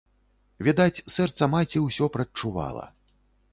Відаць, сэрца маці ўсё прадчувала.